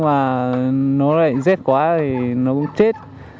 mà nó lại rét quá thì nó cũng chết